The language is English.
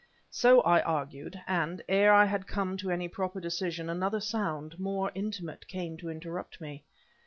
So I argued; and, ere I had come to any proper decision, another sound, more intimate, came to interrupt me.